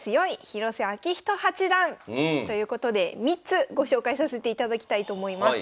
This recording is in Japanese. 広瀬章人八段」ということで３つご紹介させていただきたいと思います。